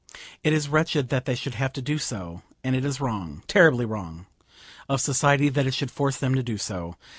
It is wretched that they should have to do so, and it is wrong, terribly wrong, of society that it should force them to do so.